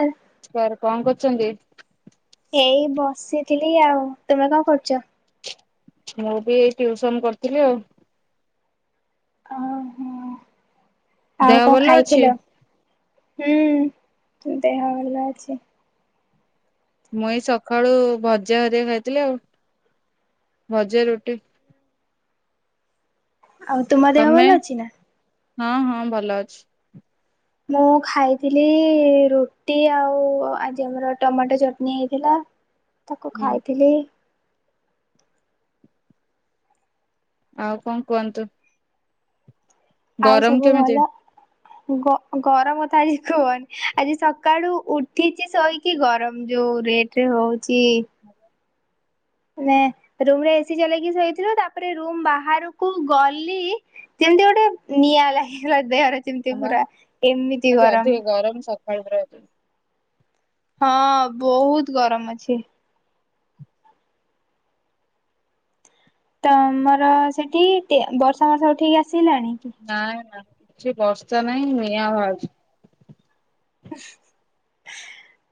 ଆ। Sir କଣ କରୁଛନ୍ତି? ଏଇ ବସିଥିଲି ଆଉ ତମେ କଣ କରୁଚ? ମୁଁ ବି ଏଇ ଟ୍ୟଉସନ କରିଥିଲି ଆଉ। ଓହୋ ଆଉ ଦେହ କଣ ଭଲ ଅଛି? ଖାଇଥିଲ ହୁଁ ଦେହ ଭଲ ଅଛି। ମୁଇଁ ସକାଳୁ ଭଜା ହେରିଆ ଖାଇଥିଲି ଆଉ ଭଜା ରୁଟି। ଆଉ ତୁମ ଦେହ ତମେ? ଭଲ ଅଛି ନା? ହଁ ହଁ ଭଲ ଅଛି। ମୁଁ ଖାଇଥିଲି ରୁଟି ଆଉ ଆଜି ଆମର ଟମାଟୋ ଚଟଣି ହେଇଥିଲା। ତାକୁ ହୁଁ ଖାଇଥିଲି। ଆଉ କଣ କୁଅନ୍ତୁ? ଆଉ ସବୁ କେମିତି? ଭଲ ଗରମ ତ ଆଜି କୁହନି ଆଜି ସକାଳୁ ଉଠିଛି ଶୋଇକି କି ଗରମ ଯୋଉ ରେଟ ରେ ହଉଛି ହ [unintelligible] ରୁମ୍ ରେ ଏସିି ଚଲେଇକି ସୋଇଥିଲୁ ତାପରେ ରୁମ ବାହାରକୁ ଗଲି ଯେମ୍ତି ଗୋଟେ ନିଆଁ ଲାଗିଗଲା ଦେହରେ ଯେମିତି ପୁରା ଏମିତି ଗରମ୍। ଗରମ୍ ସ ଖାଳୁ ପୁରା ହଁ ବହୁତ୍ ଗରମ୍ ଅଛି। ତମର ସେଠି ବର୍ଷା ଫର୍ଷା ଉଠେଇକି ଆସିଲାଣି? ନାଇଁ-ନାଇଁ କିଛି ବର୍ଷା ନାହିଁ ନିଆଁ ବାହାରୁଛି। ହ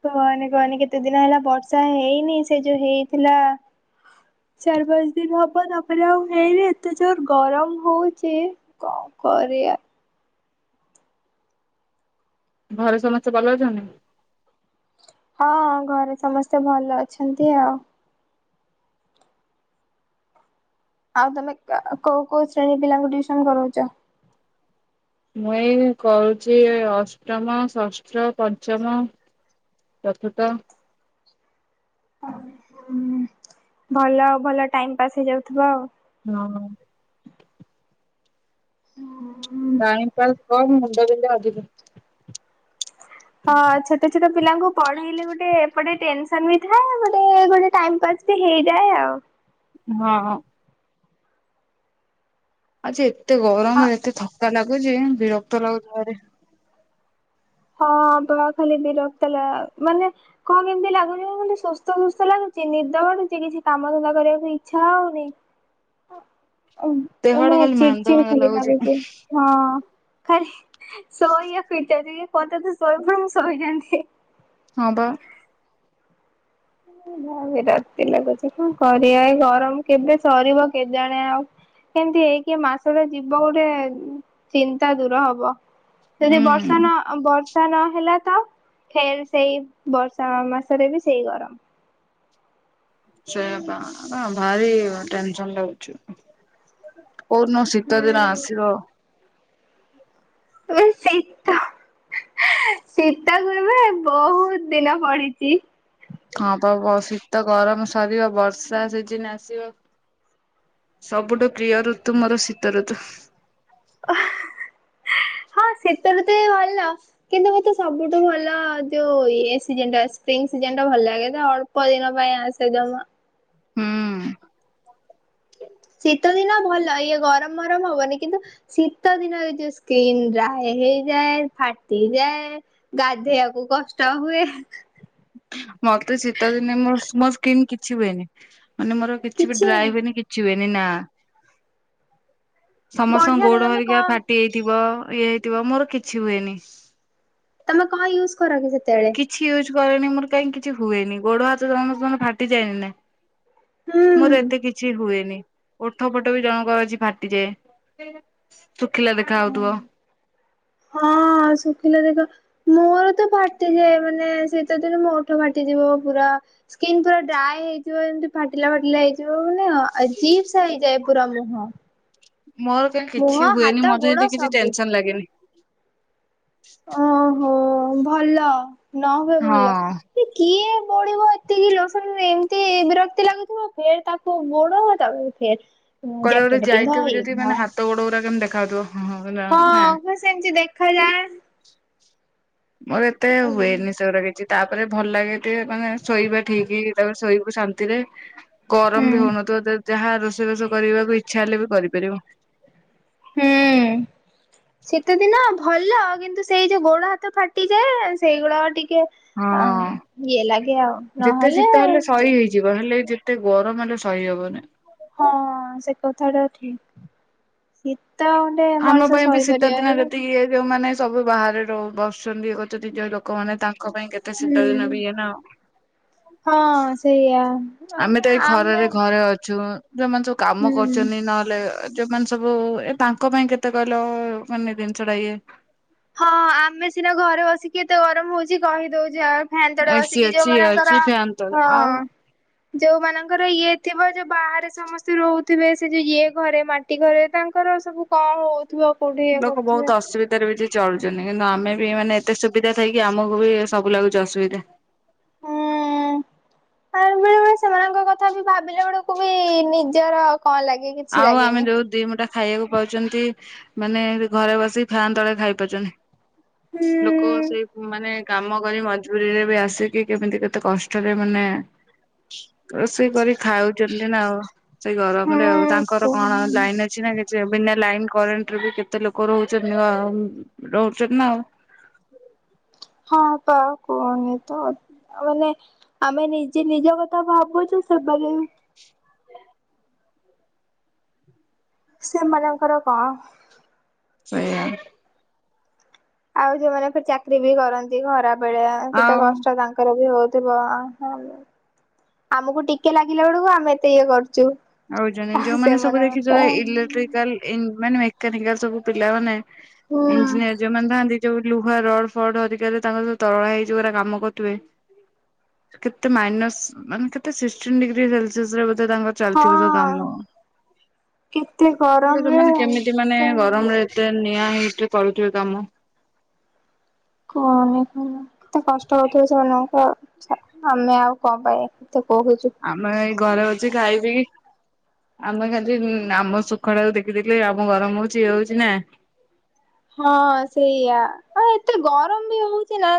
କୁହନି-କୁହନି କେତେ ଦିନ ହେଲା ବର୍ଷା ହେଇନି ସେ ଯୋଉ ହେଇଥିଲା ଚାରି ପାଞ୍ଚ ଦିନ ହବ ତାପରେ ଆଉ ହେଇନି ଏତେ ଜୋର୍ ଗରମ୍ ହଉଚି କଣ କରିଆ। ଘରେ ସମସ୍ତେ ଭଲ ଅଛନ୍ତି? ହଁ ଘରେ ସମସ୍ତେ ଭଲ ଅଛନ୍ତି ଆଉ। ଆଉ ତମେ କୋଉ-କୋଉ ଶ୍ରେଣୀ ପିଲାଙ୍କୁ ଟ୍ୟୁସନ୍ କରଉଚ? ମୁଁ ଏଇ କରୁଚି ଅଷ୍ଟମ, ଷଷ୍ଠ, ପଞ୍ଚମ ଚତୁର୍ଥ ହୁଁ ଭଲ ଆଉ ଭଲ ଟାଇମ୍ ପାସ୍ ହେଇଯାଉଥିବ ଆଉ। ହଁ। ଟାଇମ୍ ପାସ୍ କମ୍ ମୁଣ୍ଡା ବିନ୍ଧା ଅଧିକ। ହଁ ଛୋଟ-ଛୋଟ ପିଲାଙ୍କୁ ପଢେଇଲେ ଗୋଟେ ଏପଟେ ଟେନସନ୍ ବି ଥିବ, ଗୋଟେ-ଗୋଟେ ଟାଇମ୍ ପାସ୍ ହେଇଯାଏ ଆଉ। ହଁ। ଆଜି ଏତେ ଗରମ୍ ଏତେ ଥକା ଲାଗୁଛି ବିରକ୍ତ ଲାଗୁଚି ଭାରି। ହଁ ବା ଖାଲି ବିରକ୍ତ ଲା ମାନେ କଣ କେମ୍ତି ଲାଗୁଚି [unintelligible] ସୁସ୍ଥ-ସୁସ୍ଥ ଲାଗୁଚି ନିଦ ମାଡୁଚି କିଛି କାମ ଧନ୍ଦା କରିବାକୁ ଇଚ୍ଛା ହଉନି। ଦେହଟା [unintelligible] ଖାଲି ମାନ୍ଦା ଚିଡ୍-ଚିଡ୍ ମାନ୍ଦା ଖାଲି ଲାଗୁଛି ଲାଗୁଚି। ହଁ ଖାଲି ଶୋଇଆକୁ ଇଚ୍ଛା ହଉଚି [unintelligible] ମୁଁ ଶୋଇ ଯାଆନ୍ତି। ହଁ ବା। ବିରକ୍ତି ଲାଗୁଛି କଣ କରିଆ ଗରମ୍ କେବେ ସରିବ କେଜାଣି ଆଉ କେନ୍ତି ହେଇକି ଏ ମାସ ଟା ଯିବ, ଗୋଟେ ଚିନ୍ତା ଦୂର ହବ। ଯଦି ହୁଁ। ବର୍ଷା ନ ବର୍ଷା ନହେଲା ତ ଫେରେ ସେଇ ବର୍ଷା ମାସରେ ବି ସେଇ ଗରମ୍। ସେୟାବା ଭାରି ଟେନସନ ଲାଗୁଛି, କୋଉନ ଶୀତ ଦିନ ହୁଁ ଆସିବ। [unintelligible] ଶୀତ ଶୀତ କୁ ଏବେ ବହୁତ୍ ଦିନ ପଡିଚି। ହଁ ବା ଶୀତ ଗରମ୍ ସରିବ ବର୍ଷା ସିଜିନ ଆସିବ। ସବୁଠୁ ପ୍ରିୟ ଋତୁ ମୋର ଶୀତ ଋତୁ। ହଁ ଶୀତ ଋତୁ ବି ଭଲ। କିନ୍ତୁ ମୋତେ ସବୁଠୁ ଭଲ ଯୋଉ ଏ ସିଜନ ଟା ସ୍ପ୍ରିଙ୍ଗ ସିଜନ୍ ଟା ଭଲ ଲାଗେ, ତ ଅଳ ଳ୍ପ ଦିନ ପାଇଁ ଆସେ ଜମା। ହୁଁ। ଶୀତ ଦିନ ଭଲ ଇଏ ଗରମ୍ ମରମ୍ ହବନି କିନ୍ତୁ ଶୀତ ଦିନରେ ଯୋଉ ସ୍କିନ୍ ଡ୍ରାଏ ହେଇଯାଏ ଫାଟିଯାଏ ଗାଧୋଇଆକୁ କଷ୍ଟ ହୁଏ। ମତେ ଶୀତ ଦିନେ ମୋ-ମୋ ସ୍କିନ୍ କିଛି ହୁଏନି, ମାନେ ମୋର କିଛି ବି ଡ୍ରାଏ ହୁଏନି କିଛି ହୁଏନି ନା। ସମସ୍ତଙ୍କ ବଢିଆ ତ ଗୋଡ ତମେ ହେରିକା କଣ ଫାଟି ହେଇଥିବ ଇଏ ହେଇଥିବ ମୋର କିଛି ହୁଏନି। ତମେ କଣ ୟୁଜ୍ କର କି ସେତେବେଳେ? କିଛି ୟୁଜ୍ କରେନି ମୋର କାହିଁ କିଛି ହୁଏନି, ଗୋଡ ହାତ [unintelligible] ଫାଟିଯାଏନି ନା। ହୁଁ ମୋର ଏତେ କିଛି ହୁଏନି। ଓଠ ପୋଠ ବି ଜଣଙ୍କ ବି ଫାଟିଯାଏ ଶୁଖିଲା ଦେଖା ହଉଥିବ। ହଁ ସୁଖିଲା ଦେଖ ମୋର ତ ଫାଟିଯାଏ ମାନେ ଶୀତ ଦିନ ମୋ ଓଠ ଫାଟିଯିବ ପୁରା। ସ୍କିିନ ପୁରା ଡ୍ରାଏ ହେଇଥିବ ଏମିତି ଫାଟିଲା ଫାଟିଲା ହେଇ ଯଉ ମାନେ ଅଜୀପ୍ସା ହେଇଯାଏ ପୁରା ମୁହଁ। ମୋର କାଇଁ କିଛି ମୁହଁ ହୁଏନି ହାତ ମୋତେ ଗୋଡ ଯଦି କିଛି ସବୁ। ଟେନସନ୍ ଲାଗେନି। ଓ ହୋ ଭଲ ନ ହୁଏ ଭଲ। ହଁ ସେ କିଏ ବୁଲିବ ଏତିକି ଲୋସଣି ରେ ଏମିତି ବିରକ୍ତି ଲାଗୁଥିବ ପେ ତା କଉ ଗୋଡ଼ ତା ଫେର୍ କୁଆଡେ ଗୋଟେ ଯାଇଥିବୁ ଯଦି ମାନେ ହାତ ଗୋଡ ରା କେମିତି ଦେଖାଯାଉଥିବ ହଁ -ହଁ। ହଁ ପା ସେମିତି ଦେଖାଯାଏ। ମୋର ଏତେ ହୁଁ ହୁଏନି ସେଗୁରା କିଛି। ତାପରେ ଭଲ୍ ଲାଗେ ଟିକେ ମାନେ ଶୋଇବା ଠିକି ତାପରେ ଶୋଇବୁ ଶାନ୍ତିରେ। ଗରମ୍ ବି ହଉନଥିବ ଯାହା ରୋଷେଇବାସ କରିବାକୁ ଇଚ୍ଛା ହେଲେ ବି କରିପାରିବ। ହୁଁ। ଶୀତ ଦିନ ଭଲ କିନ୍ତୁ ସେଇ ଯଉ ଗୋଡ ହାତ ଫାଟିଯାଏ ସେଇଗୁଡା ଟିକେ ହଁ ଇଏ ଲାଗେ ଆଉ ନହେଲେ ଭଲ। ଯିବ ହେଲେ ଯେତେ ଗରମ୍ ହେଲେ ସହି ହବନି। ହଁ ସେ କଥା ଟା ଠିକ୍ ଶୀତ ଆମ ମଣିଷ ପାଇଁ ବି ଶୀତ ସହିପାରିବ ଦିନ ଏଇ ଯେତିକି ଇଏ ଯଉମାନେ ସବୁ ବାହାରେ ରଉ - ବସୁଚନ୍ତି [unintelligible] ତାଙ୍କ ଲୋକମାନେ ତାଙ୍କ ପାଇଁ କେତେ ଶୀତ ଦିନ ବି ଇଏ ନା ହୁଁ-ହଁ ସେଇଆ। ଆମେ ମାନେ ତ ଏଇ ଆମେ ଖରାରେ ଘରେ ଅଛୁ ଯଉମାନେ ସବୁ କାମ ହୁଁ। କରୁଚନ୍ତି ନହେଲେ ଯଉମାନେ ସବୁ ଏ ତାଙ୍କ ପାଇଁ କେତେ କହିଲ ମାନେ ଜିନିଷ ଟା ଇଏ ହଁ ଆମେ ସିନା ଘରେ ବସିକି ଏତେ ଗରମ୍ ହଉଚି କହିଦଉଚେ ଆଉ ଫ୍ୟାନ୍ ତଳେ ଏସି ବସିକି ଯଉ ଅଛି ଇଏ ଅଛି ମାନଙ୍କର ଫ୍ୟାନ ତଳେ ଆଉ ହଁ- ଯଉ ମାନଙ୍କର ଇଏ ଥିବ ଯଉ ବାହାରେ ସମସ୍ତେ ରହୁଥିବେ ସେ ଯଉ ଇଏ ଘରେ ମାଟି ଘରେ ତାଙ୍କର ସବୁ ବହୁତ୍। [unintelligible] ଲୋକ ବହୁତ ଅସୁବିଧ୍ ଏଥିରେ ବି ଚଳୁଚନ୍ତି କିନ୍ତୁ ଆମେ ବି ମାନେ ଏତେ ସୁବିଧା ଥାଇକି ଆମକୁ ବି ସବୁ ଲାଗୁଚି ଅସୁବିଧା। ହୁଁ। ଆ- ବେଳେ ବେଳେ ସେମାନଙ୍କ କଥା ବି ଭାବିଲା ବେଳକୁ ବି ନିଜର କଣ୍ ଲାଗେ। କିଛି ଆଉ ଆମେ ଲାଗେନି। ଯଉ ଦି ମୁଟା ଖାଇବାକୁ ପାଉଚନ୍ତି ମାନେ ଘରେ ବସିକି ଫ୍ୟାନ୍ ତଳେ ହୁଁ ଖାଇପାରୁଚନ୍ତି। ଲୋକ ସେଇ ମାନେ କାମ କରି ମଜବୁରୀରେ ବି ଆସିକି କେମିତି କେତେ କଷ୍ଟରେ ମାନେ ରୋଷେଇ କରି ଖାଉଚନ୍ତି ନା ଆଉ। ସେଇ ଗରମ୍ ରେ ଆଉ ହୁଁ ତାଙ୍କର କଣ କୁହନା। ଲାଇନ୍ ଅଛି ନା କେ ଯେ ବିନା ଲାଇନ୍ କରେଣ୍ଟ୍ ରେ ବି କେତେ ଲୋକ ରହୁଚନ୍ତି ଆଉ ରହୁଚନ୍ତି ନା ଆଉ। ହଁ ପା କୁହୁନି ତ। ଓ ମାନେ ଆମେ ନିଜେ ନିଜ କଥା ଭାବୁଚୁ ସେମାନେ ସେମାନଙ୍କର କଁ ସେଇଆ। ଆଉ ଯଉମାନେ ଚାକିରି ବି କରନ୍ତି ଖରା ବେଳେଆ କେତେ ଆଉ କଷ୍ଟ ତାଙ୍କ୍ କର ବି ହଉଥିବ ଆହାଃ ଆମକୁ ଟିକେ ଲାଗିଲା ବଳକୁ ଆମେ ଏତେ ଇଏ କରୁଚୁ। ଆଉ ଜଣେ ଯଉମାନେ ସବୁ ଦେଖିଥିବ ଇଲେକ୍ଟ୍ରିକାଲ୍ ଇଂ- ମାନେ ମେକାନିକାଲ୍ ସବୁ ପିଲାମାନେ ହୁଁ ଇଂଜିନିୟର ଯଉମାନେ ଥାଆନ୍ତି ଯଉ ଲୁହା ରଡ୍ ଫଡ୍ ହେରିକା ରେ ତାଙ୍କର ସବୁ ତରଳା ହେଇଯଉ ଗୁରା କାମ କରୁଥିବେ କେତେ ମାଇନସ୍ ମାନେ କେତେ ସିକ୍ସ୍ଟିନ୍ ଡିଗ୍ରୀ ସେଲସିଅସ୍ ରେ ତାଙ୍କ [unintelligible] ହଁ କାମ କେତେ ଗରମରେ ସେମାନେ କେମିତି ତ ମାନେ କୁହନି ଗରମରେ। ଏତେ ନିଆଁ ହେଇଛିି କରୁଥିବେ କାମ। କଣ ନାଇଁ କଣ ଏତେ କଷ୍ଟ ହଉିବ ସେମାନଙ୍କୁ ଆମେ ଆଉ କଣ ପାଇଁ ଏତେ କହୁଛୁ। ଆମେ ଏଇ ଘରେ ଅଛି ଖାଇ ପିକି ଆମେ ଖାଲି ଆମ ଶୁଖଟାକୁ ଦେଖିଦେଲେ ଆମ ଗରମ ହଉଛି ଇଏ ହଉଛି ନା? ହଁ ସେଇଆ ଆ ଏତେ ଗରମ ବି ହଉଛି ନା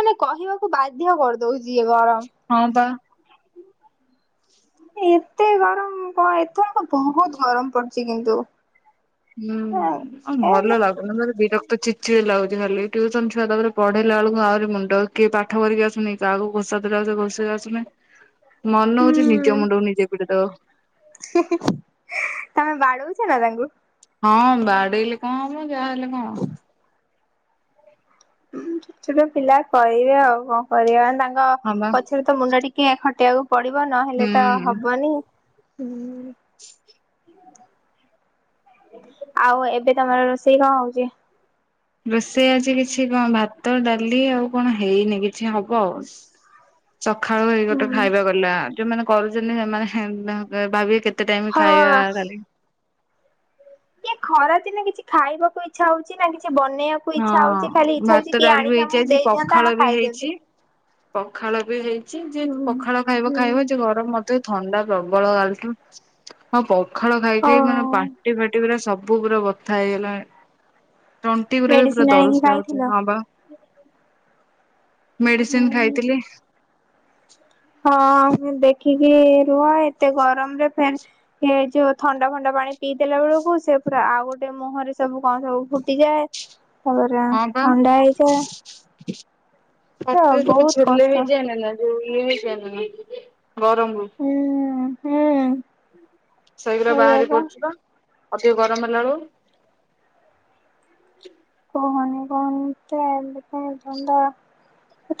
ମାନେ କହିବାକୁ ବାଧ୍ୟ କରିଦଉ ଚି ଏ ଗରମ ହଁ ବା। ଏତେ ଗରମ କଣ ଏଥର ବହୁତ ଗରମ ପଡିଛି କିନ୍ତୁ। ହୁଁ ଆଉ ଏ ଭଲ ଲାଗୁ ଆ ବିରକ୍ତ ଚିଡି ଚିଡି ଲାଗୁଛି ଖାଲି ନେ ଟ୍ୟୁସନ୍ ଛୁଆ ପଢେଇଲା ବେଳକୁ ଆହୁରି ମୁଣ୍ଡ କିଏ ପାଠ କରିକି ଆସୁନି, କାହାକୁ ଘୋସା ଦେଲାବେଳକୁ ଘୋଷିକି ଆସୁନି। ମନେ ହଉଛି ନିଜ ହୁଁ ମୁଣ୍ଡକୁ ନିଜେ ପିଟି ଦେବାକୁ। ତମେ ବାଡଉଛ ନା ତାଙ୍କୁ? ହଁ ବାଡେଇଲେ କଣ ହେବ ମୁ ଯାହାହଲେ କଣ ହେବ? ଛୋଟ ପିଲା କରିବେ ଆଉ କଣ କରିବା ମାନେ ତାଙ୍କ ହଁ ବା ପଛରେ ତ ମୁଣ୍ଡ ଟିକେ ଖଟିବାକୁ ପଡିବ ନହେଲେ ତ ହୁଁ ହବନି। ଆଉ ଏବେ ତମର ରୋଷେଇ କଣ ହଉଛି? ରୋଷେଇ ଆଜି କିଛି କଣ ଭାତ, ଡାଲି ଆଉ କଣ ହେଇନି କିଛି ହବ ଆଉ। [inaudible] ସକାଳୁ ହେଇ ଗୋଟେ ହୁଁ ଖାଇବା ଗଲା ଯୋଉମାନେ କରୁଛନ୍ତି ସେମାନେ ଭାବିବେ କେତେ କେତେ ଟାଇମ ଖାଇବା ହଁ ଖାଲି। ଖରାଦିନେ କିଛି ଖାଇବାକୁ ଇଚ୍ଛା ହଉଛି ନା କିଛି ବନେଇବାକୁ ଇଛା ହଉଛି ଖାଲି ହଁ ଇଛ ଭାତ ହଉଛି କିଏ ଡାଲି ଆଣି ବି ହେଇଛି ଆମକୁ ଆଜି ଦେଇଥାନ୍ତା ପଖାଳ ଆମେ ବି ଖାଇ ହେଇଛି। ଦିଅନ୍ତୁ। ପଖାଳ ବି ହେଇଛି ଯେ ହୁଁ। ପଖାଳ ଖାଇବ ହୁଁ ଖାଇବ ଯେ ଗରମ ମଧ୍ୟ ଥଣ୍ଡା ପ୍ରବଳ କାଲି ଠୁ ଆଉ ପଖାଳ ଖାଇ ଓ ଖାଇ ମାନେ ପାଟି ଫାଟି ପୁରା ସବୁ ସବୁ ପୁରା ବଥା ହେଇଗଲାଣି, ତଣ୍ଟି ଗୁରା ବି ପୁରା ମେଡିସିନ ଆଣିକି ଦରଜ ଲାଗୁଛି ଖାଇଥିଲ? ହଁ ବା। ମେଡିସିନ ଖାଇଥିଲି। ହଁ ଦେଖିକି ରୁହ, ଏତେ ଗରମରେ ଫେନ୍ ସେଇ ଯୋଉ ଥଣ୍ଡା ଫଣ୍ଡା ପାଣି ପି ଦେଲା ବେଳକୁ, ସିଏ ଗୋଟେ ଆହୁରି ମୁହଁରେ ସବୁ କଣ ସବୁ ଫୁଟି ଯାଏଁ। ହଁ ବା। ହାତ ପୁରା ସବୁ ସବୁ ବହୁତ ଛଲେ କଷ୍ଟ। ହେଇଯାଏନି ନା ଯୋଉ ୟେ ହେଇଯାଏନି ନା ଗରମ କୁ। ହୁଁ ହୁଁ ସେଇଘୁରା ବାହାରି ପଡୁଛି ପା। ଅଧିକ ଗରମ ହେଲା ବଳୁ। କୁହନି କୁହନି ସେ ଏମତିଆ ଧନ୍ଦା।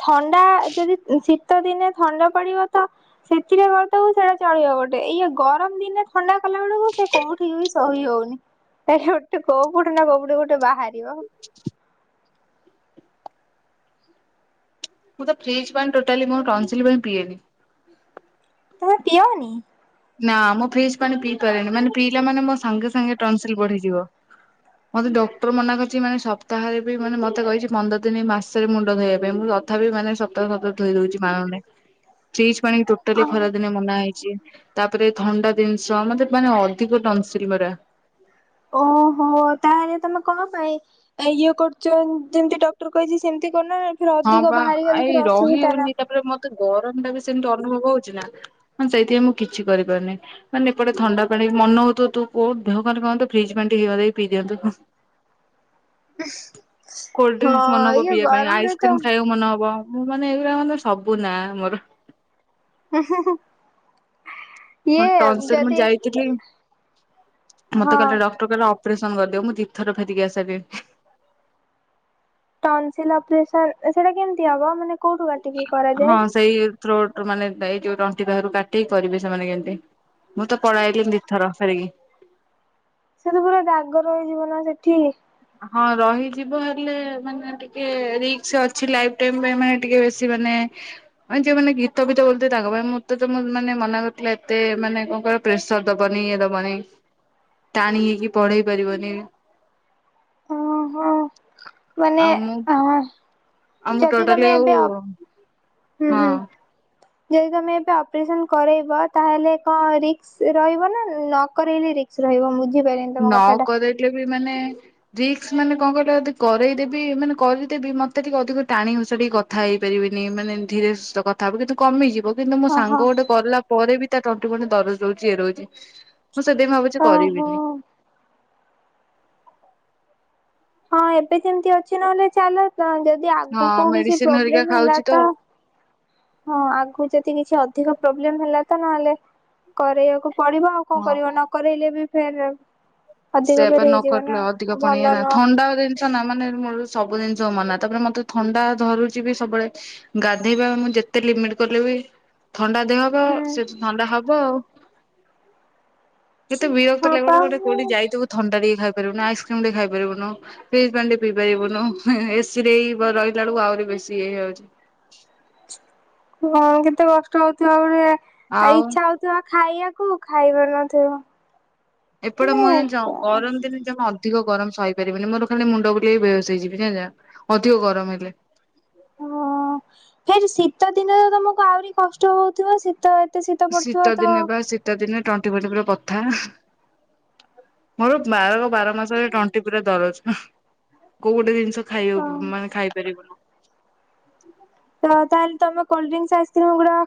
ଥଣ୍ଡା ଯଦି ଶୀ ଶିତ ଦିନେ ଥଣ୍ଡା ପଡିବ ତ, ସେଥିରେ କରିଦେବୁ ସେଇଟା ଚଳିବ ଗୋଟେ, ଇଏ ଗରମ ଦିନେ ଥଣ୍ଡା କଲା ବେଳକୁ, ସେ କୋଉଠି ବି ସହି ହଉନି, ସେଟା ଗୋଟେ କଉଠେ ନା କୋଉଠି ଗୋଟେ ବାହାରିବ। [inaudible] ଁ [inaudible] ମୁଁ ତ ଫ୍ରିଜ୍ ପାଣୀ ଟୋଟାଲି ମୋ ଟନସିଲ ପାଇଁ ପିଏନି। ତମେ ପିଓନି? ନା ମୁଁ ଫ୍ରୀଜ ପାଣି ପିଇ ପାରେନି ମାନେ ପିଇଲା ମାନ ମୋ ସାଙ୍ଗେ ସାଙ୍ଗେ ଟନସିଲ ବଢିଯିବ। ମତେ ଡକ୍ଟର ମନା କରିଛି ମାନେ ସପ୍ତାହରେ ବି ମାନେ ମତେ କହିଛି ପନ୍ଦର ଦିନ ମାସରେ ମୁଣ୍ଡ ଧୋଇବା ପାଇଁ ମୁଁ ତଥାପି ମାନେ ସପ୍ତା କୁ ସପ୍ତା ଧୋଇ ଦଉଛି, ମାନୁନି। ହ [inaudible] ଫ୍ରୀଜ଼ ପାଣି ଟୋଟାଲି ଖରା ଦିନେ ମନା ହେଇଛି। ତାପରେ ଥଣ୍ଡା ଜିନିଷ ମତେ ମାନେ ଅଧିକ ଟନସିଲ ପରା। ଓହୋ ତାହେଲେ ତମେ କଣ ପାଇଁ? ଆ ଇଏ କରୁଛନ୍ ଯେମତି ଡକ୍ଟର କହିଛି ସେମିତି କରୁନ ପେରେ ହଁ ଅଧିକ ବାହାରିଗଲେ ପେରେ ଅସୁବିଧା ନା? ତେ ଗରମ ଟା ବି ସେମିତି ଅନୁଭବ ହଉଛି ନା ସେଇଥିପାଇଁ ମୁଁ କିଛି କରିପାରୁନି। ମାନେ ଏପଟେ ଥଣ୍ଡା ପାଣି ମନ ହଉଥୁ ତୁ କୋଉ ଦେହ କହନ୍ତୁ ଫ୍ରିଜ୍ ପାଣ୍ ହେଇ ଦେଇ ପିଇ ଦିଅନ୍ତୁ। କୋଲ୍ଡଡ୍ରିଙ୍କସ ମନ ହଁ ହବ ଇଏ ପିଇବା ପାଇଁ ଗରମରେ ତ ଆଇସ୍କ୍ରିମ ଖାଇବାକୁ ମନ ହବ ମୁଁ ମାନେ ଏଇଗୁରା ମାନେ ସବୁ ନା ମୋର। ହାଁ ହାଁ ହାଁ। ମୋ [unintelligible] ମୁଁ ଯାଇଥିଲି ହଁ ମତେ କହିଲେ ଡକ୍ଟର ଅପରେସନ କରିଦିଅ ମୁଁ ଦି ଥର ଫେରିକି ଆସିସାରିଲିଣି। ଟନସିଲ ଅପରେସନ ସେଇଟା କେମିତି ହବ ମାନେ କୋଉଠୁ? କାଟିକି ଆଁ କରାଯାଏ? ହଁ ସେଇ ଥ୍ରୋଟ ମାନେ ଏଇ ଯୋଉ ତଣ୍ଟି ପାକରୁ କାଟିକି କରିବେ ସେମାନେ କେମତି। ମୁଁ ତ ପଳେଇଆଇଲିନି ଦି ଥର ଫେରିକି। ସେରା ମୋର ଦାଗ ରହିଯିବନା ସେଠି। ହଁ ରହିଯିବ ହେଲେ ମାନେ ଟିକେ ରିସ୍କ ଅଛି ଲାଇଫ୍ ଟାଇମ ପାଇଁ ମାନେ ଟିକେ ବେଶୀ ମାନେ ମାନେ ଯୋଉ ମାନେ ଗୀତ ଫିତ ବୋଲୁଥିବେ ତାଙ୍କ ପାଇଁ ମୋତେ ତ ମୁଁ ମାନେ ମନା କରିଥିଲା ଏତେ ମାନେ କଣ କର ପ୍ରେସର ଦବନି ଇଏ ଦବନି ଟାଣି ହେଇକି ପଢେଇ ପାରିବନି। ହଁ ମାନେ ଆଉ ମୁଁ ହ। ଆଉ ମୁଁ ଯତିି ଟୋଟାଲି ତମେ ଆଉ ଏବେ ଅ ହୁଁ ହୁଁ। ହଁ। ଯଦି ତମେ ଏବେ ଅପରେସନ କରେଇବ ତାହେଲେ କଣ ରିସ୍କ୍। ସେ ରହିବ ନା ନକରେଇଲେ ରିକ୍ସ ରହିବ ବୁଝିପାରି ନ କରେଇଲେ ବି ମାନେ ରିକ୍ସ ମାନେ କଣ କହିଲ ଯଦି କରେଇ ଦେବି ମାନେ କରିଦେବି ମତେ ଟିକେ ଅଧିକ ଟାଣିଘୋଷାଡି କ କଥା ହେଇପାରିବିନି ମାନେ ଧୀରେ ସୁସ୍ଥେ କଥା ହବୁ କିନ୍ତୁ କମିଯିବ କିନ୍ତୁ ମୋ ସାଙ୍ଗ ଓହୋ ଗୋଟେ କଲା ପରେ ବି ତା ତଣ୍ଟି ଫଣ୍ଟି ଦରଜ ରହୁଛି ଇଏ ରହୁଛି ମୁଁ ସେଥିପାଇଁ ଭାବୁଛି କରିବିନି। ହଁ। ହଁ ଏବେ ଯେମିତି ଅଛି ନହେଲେ ଚାଲ ଯଦି ହଁ ଆଗକୁ କିଛି ମେଡିସିନ ହେରିକା ପ୍ରୋବ୍ଲେମ ହେଲା ଖାଉଛି ତ ହଁ ଆଗରୁ ଯଦି କିଛି ଅଧିକ ପ୍ରୋବ୍ଲେମ ହେଲା ତ ନହେଲେ କରରେଇବାକୁ ପଡିବ ଆଉ କଣ ହଁ କରିବ ନକରେଇଲେ ବି ଫେରେ ସେ ପା ନକରଲେ ଅଧିକ ପୁଣି ଏଇ ନା ନୁହଁ ଥଣ୍ଡା ଦିନ୍ ଛନା ମାନେ ମୂଳରୁ ସବୁ ଜିନିଷ ମନା ତାପରେ ମତେ ଥଣ୍ଡା ଧରୁଛି ବି ସବୁବେଳେ। ଗାଧେଇବା ମୁଁ ଯେତେ ଲିମିଟ କରିଲେବି ଥଣ୍ଡା ଦେହ ଵ ହୁଁ ସେଠୁ ଥଣ୍ଡା ହବ ଆଉ କେତେ ବିରକ୍ତ ହଁ ଲାଗେ ପା ଗୋଟେ ଗୋଟେ କୋଉଠି ଯାଇ ଥିବୁ ଥଣ୍ଡା ଟିକେ ଖାଇ ପରିବୁନା ଆଇସ୍କ୍ରିମ ଟେ ଖାଇ ପାରିବୁନୁ। ଫ୍ରିଜ୍ ପାଣି ଟି ପିଇ ପାରିବୁନୁ ହେଁ ହେଁ ଏସି ରେ ରହିଲା ବେଳକୁ ଆହୁରି ବେଶୀ ଇଏ ହେଇଯାଉଛି। ହଁ କେତେ କଷ୍ଟ ହଉଥିବା ଗୋଟେ ଆଉ ଇଛା ହଉ ଥିବ ଖାଇବାକୁ ଖାଇ ପାରୁନଥିବ ଏପଟେ ମୁଁ ଜାଣିଛ କରନ୍ତିିନି। ମତେ ମ ଅଧିକ ଗରମ ସହିପାରିବିନି ମୋର ଖାଲି ମୁଣ୍ଡ ବୁଲେଇ ବେହୋସ ହେଇଯିବି ଜାଣିଛନା ଅଧିକ ଗରମ ହେଲେ। ଅ ଫେର ଶୀତ ଦିନେ ତ ତମକୁ ଆହୁରି କଷ୍ଟ ହଉଥିବ ଶୀତ ଏତେ ଶୀତ ପଢୁଥିବ ତ ଦିନେ ବା ଶୀତ ଦିନେ ଟଣ୍ଟି ଫଣ୍ଟି ପୁରା ବଥା। ମୋର ବାରକ ବାର ମାସରେ ଟଣ୍ଟି ପୁରା ଦରଜ କୋଉ ଗୋଟେ ଜିନିଷ ହଁ ଖାଇବାକୁ ମାନେ ଖାଇପାରିବୁନୁ। ତ ତାହେଲେ ତମ କୋଲ୍ଡ ଡ୍ରିଙ୍କସ ଆଇସ୍କ୍ରିମ୍ ଗୁଡା